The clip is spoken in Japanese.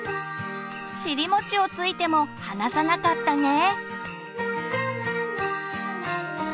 尻もちをついても離さなかったね！